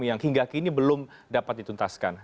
yang hingga kini belum dapat dituntaskan